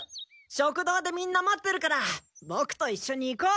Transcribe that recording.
食堂でみんな待ってるからボクといっしょに行こう！